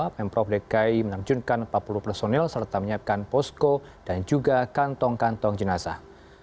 pemprov dki menerjunkan empat puluh personil serta menyiapkan posko dan juga kantong kantong jenazah